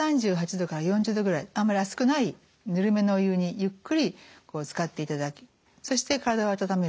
℃から４０℃ぐらいあんまり熱くないぬるめのお湯にゆっくりつかっていただきそして体を温める。